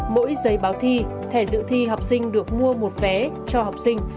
mỗi giấy báo thi thẻ dự thi học sinh được mua một vé cho học sinh